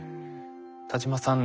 田島さん